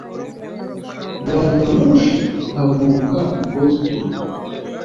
Gari ya moshi ihaguruka i Boston